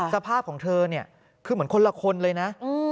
สภาพของเธอเนี่ยคือเหมือนคนละคนเลยนะ